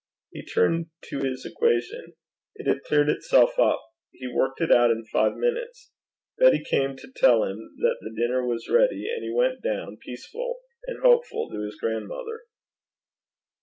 He turned to his equation: it had cleared itself up; he worked it out in five minutes. Betty came to tell him that the dinner was ready, and he went down, peaceful and hopeful, to his grandmother.